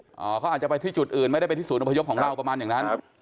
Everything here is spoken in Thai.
เขาอาจจะไปที่จุดอื่นไม่ได้ไปที่ศูนย์อพยพของเราประมาณอย่างนั้น